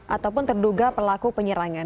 ataupun terduga pelaku penyerangan